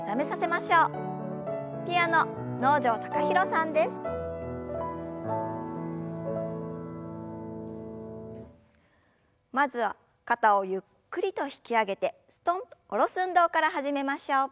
まずは肩をゆっくりと引き上げてすとんと下ろす運動から始めましょう。